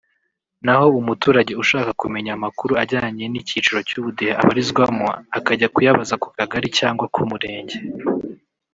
naho umuturage ushaka kumenya amakuru ajyanye n’icyiciro cy’ubudehe abarizwamo akajya kuyabaza ku kagari cyangwa ku murenge